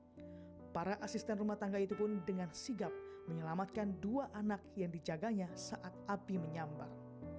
kepala pertama jelma ankar tini yang menjaga anak anaknya dengan sigap menyelamatkan dua anak yang dijaganya saat api menyambar